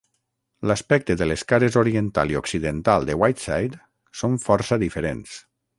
L'aspecte de les cares oriental i occidental de White Side són força diferents.